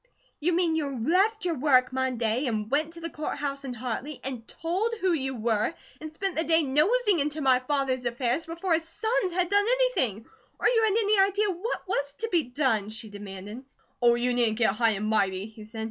"You mean you left your work Monday, and went to the Court House in Hartley and told who you were, and spent the day nosing into my father's affairs, before his SONS had done anything, or you had any idea WHAT was to be done?" she demanded. "Oh, you needn't get so high and mighty," he said.